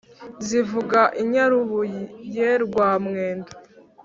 zivuga inyarubuye rwa mwendo